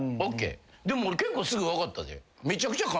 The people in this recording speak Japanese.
でも俺結構すぐ分かったで。